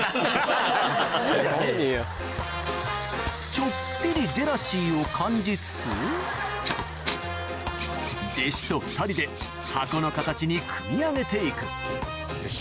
ちょっぴりジェラシーを感じつつ弟子と２人で箱の形に組み上げて行くよし。